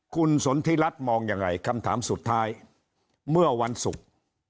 คุณสนทิรัฐมองยังไงคำถามสุดท้ายเมื่อวันศุกร์